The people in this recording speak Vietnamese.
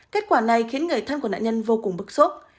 kết quả này khiến người thân của nạn nhân vô cùng bức xúc